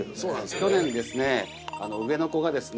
去年ですね上の子がですね